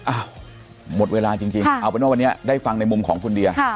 หมดเวลาจริงเอาเป็นว่าวันนี้ได้ฟังในมุมของคุณเดีย